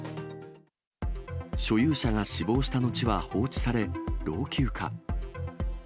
所有者が死亡したのちは放置され、老朽化。